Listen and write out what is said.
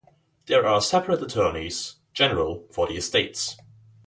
There are separate attorneys general for the estates.